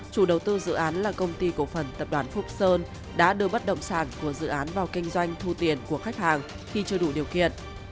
chủ đầu tư dự án là công ty cổ phần tập đoàn phúc sơn đã đưa bất động sản của dự án vào kinh doanh thu tiền của khách hàng khi chưa đủ điều kiện